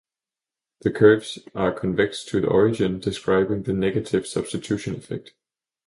The curves are convex to the origin, describing the negative substitution effect.